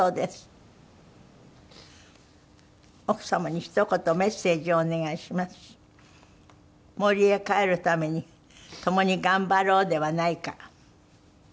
「奥様にひと言メッセージをお願いします」「森へ帰るために共に頑張ろうではないか」